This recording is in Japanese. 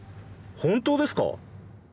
本当ですか？